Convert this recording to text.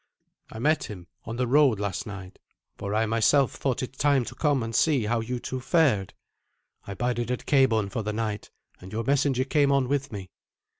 "I met him on the road last night, for I myself thought it time to come and see how you two fared. I bided at Cabourn for the night, and your messenger came on with me."